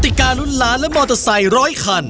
ติการุ้นล้านและมอเตอร์ไซค์ร้อยคัน